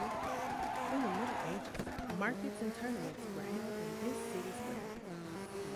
In the Middle Ages, markets and tournaments were held in this city square.